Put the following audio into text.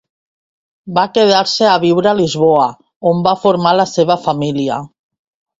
Va quedar-se a viure a Lisboa, on va formar la seva família.